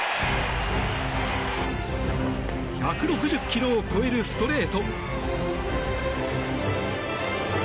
１６０キロを超えるストレート。